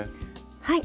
はい。